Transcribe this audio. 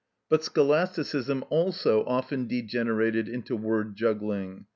But Scholasticism also often degenerated into word juggling.